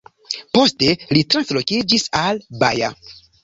Poste li translokiĝis al Baja.